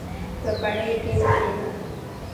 په پړي کې وپېله.